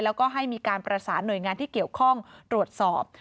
แล้วก็ให้มีการประสานหน่วยงานที่เกี่ยวข้องตรวจสอบ